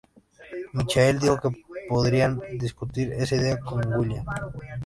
Michael dijo que podría discutir esa idea con will.i.am.